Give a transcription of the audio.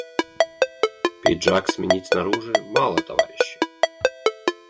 Пиджак сменить снаружи — мало, товарищи!